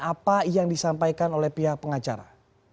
apa yang disampaikan oleh pihak pengacara